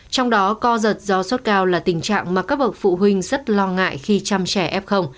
trong đó co giật do sốt cao là tình trạng mà các bậc phụ huynh rất lo ngại khi chăm trẻ f